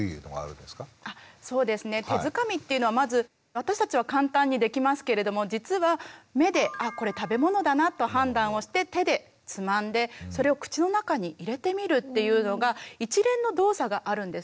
そうですね手づかみっていうのはまず私たちは簡単にできますけれども実は目で「あこれ食べ物だな」と判断をして手でつまんでそれを口の中に入れてみるっていうのが一連の動作があるんですね。